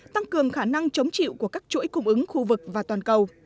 tăng cường khả năng chống chịu của các chuỗi cung ứng khu vực và toàn cầu